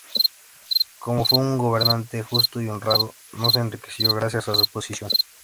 Como fue un gobernante justo y honrado, no se enriqueció gracias a su posición.